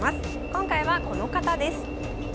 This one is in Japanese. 今回はこの方です。